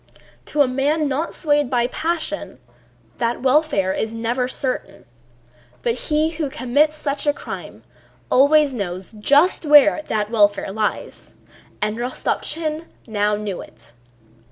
To a man not swayed by passion that welfare is never certain, but he who commits such a crime always knows just where that welfare lies. And Rostopchín now knew it.